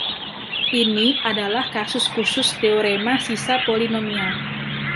Ini adalah kasus khusus teorema sisa polinomial.